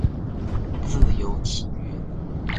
自由契约。